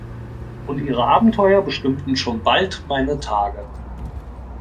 Und ihre Abenteuer bestimmten schon bald meine Tage.